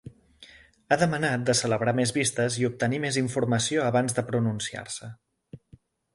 Ha demanat de celebrar més vistes i obtenir més informació abans de pronunciar-se.